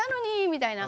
みたいな。